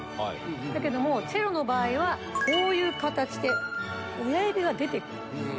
だけどもチェロの場合はこういう形で親指が出て来る。